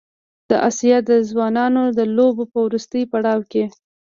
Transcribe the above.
د اسیا د ځوانانو د لوبو په وروستي پړاو کې